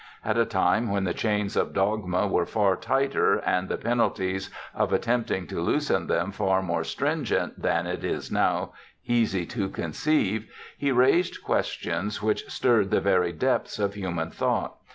At a time when the chains of dogma were far tighter and the penalties of attempting to loosen them far more stringent than it is now easy to conceive he raised questions which stirred the very depths of human thought.